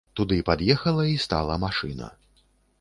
Туды пад'ехала і стала машына.